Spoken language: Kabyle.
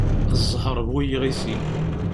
Ẓẓher bu iɣisi.